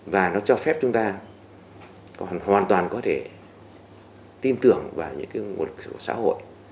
và nó cho phép chúng ta hoàn toàn có thể tin tưởng vào những nguồn lực xã hội